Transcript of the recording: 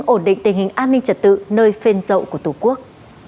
công an huyện trùng khánh đã giữ vững ổn định tình hình an ninh trật tự nơi phên rậu của tổ quốc